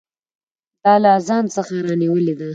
دا له اذان څخه رانیولې ده.